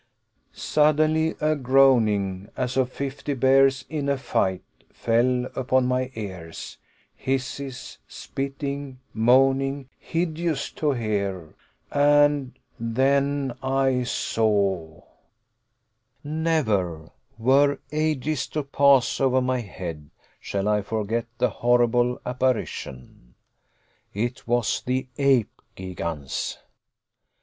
Suddenly a groaning, as of fifty bears in a fight, fell upon my ears hisses, spitting, moaning, hideous to hear and then I saw Never, were ages to pass over my head, shall I forget the horrible apparition. It was the Ape Gigans!